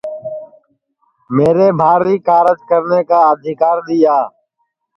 میرے بھاری کارج کرنے کا آدیکر دٚیا